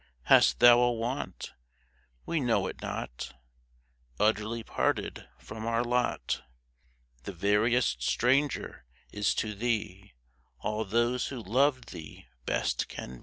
Hast thou a want ? We know it not ; Utterly parted from our lot, The veriest stranger is to thee All those who loved thee best can be.